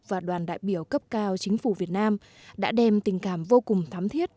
và đoàn đại biểu cấp cao chính phủ việt nam đã đem tình cảm vô cùng thắm thiết